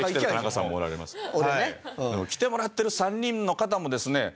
うん。来てもらってる３人の方もですね